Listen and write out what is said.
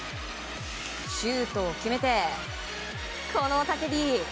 シュートを決めてこの雄たけび。